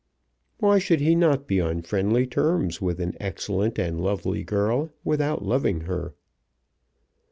Why should he not be on friendly terms with an excellent and lovely girl without loving her?